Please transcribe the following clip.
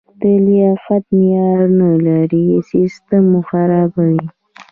د لیاقت معیار نه لرل سیستم خرابوي.